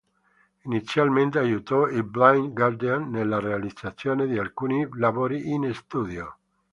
Inizialmente aiutò i Blind Guardian nella realizzazione di alcuni lavori in studio.